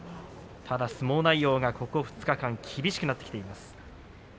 ただ相撲内容がここ２日間厳しくなってきています。